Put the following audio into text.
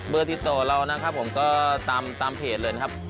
เบอร์ที่ตัวเรานะครับผมก็ตามเพจเลยนะครับ